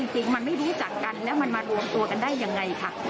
จริงมันไม่รู้จักกันแล้วมันมารวมตัวกันได้ยังไงค่ะ